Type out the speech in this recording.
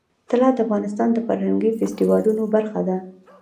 طلا د افغانستان د فرهنګي فستیوالونو برخه ده.